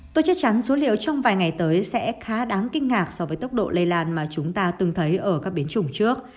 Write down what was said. tôi chắc chắn số liệu trong vài ngày tới sẽ khá đáng kinh ngạc so với tốc độ lây lan mà chúng ta từng thấy ở các biến chủng trước